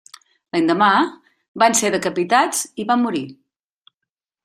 L'endemà, van ser decapitats i van morir.